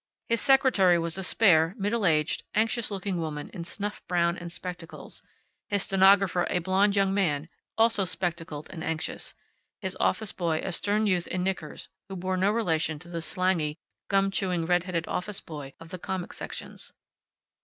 His secretary was a spare, middle aged, anxious looking woman in snuff brown and spectacles; his stenographer a blond young man, also spectacled and anxious; his office boy a stern youth in knickers, who bore no relation to the slangy, gum chewing, redheaded office boy of the comic sections.